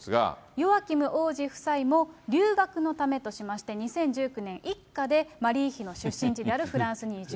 ヨアキム王子夫妻も留学のためとしまして、２０１９年、一家で、マリー妃の出身地であるフランスに移住。